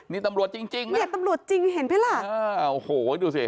นี่ตำรวจจริงจริงนะเนี่ยตำรวจจริงเห็นไหมล่ะเออโอ้โหดูสิ